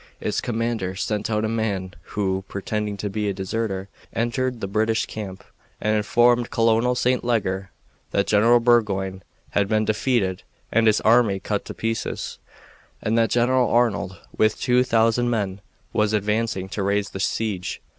Its commander sent out a man who, pretending to be a deserter, entered the British camp and informed Colonel St. Leger that General Burgoyne had been defeated and his army cut to pieces, and that General Arnold, with two thousand men, was advancing to raise the siege.